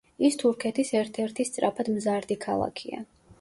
ის თურქეთის ერთ-ერთი სწრაფად მზარდი ქალაქია.